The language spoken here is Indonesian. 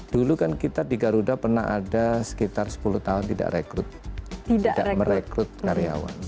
dulu kan kita di garuda pernah ada sekitar sepuluh tahun tidak rekrut tidak merekrut karyawan